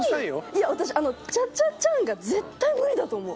いや私あのチャチャチャが絶対無理だと思う。